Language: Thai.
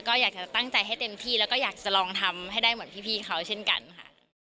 ก็อยากจะตั้งใจให้เต็มที่แล้วก็อยากจะลองทำให้ได้เหมือนพี่เขาเช่นกันค่ะ